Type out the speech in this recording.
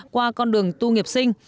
qua con đường tu nghiệp sinh